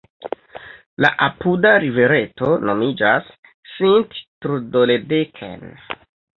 La apuda rivereto nomiĝas "Sint-Trudoledeken".